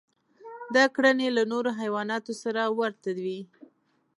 دا کړنې له نورو حیواناتو سره ورته وې.